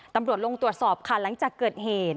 ตำรวจลงตรวจสอบค่ะหลังจากเกิดเหตุ